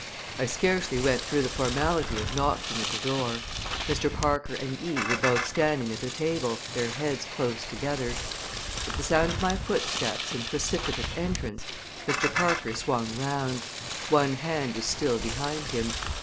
I scarcely went through the formality of knocking at the door. Mr. Parker and Eve were both standing at the table, their heads close together. At the sound of my footsteps and precipitate entrance Mr. Parker swung round. One hand was still behind him.